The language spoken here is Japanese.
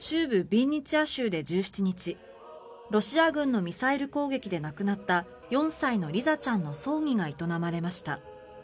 ビンニツィア州で１７日ロシア軍のミサイル攻撃で亡くなった４歳のリザちゃんの葬儀が営まれました。